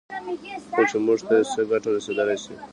خو چې موږ ته یې څه ګټه رسېدای شي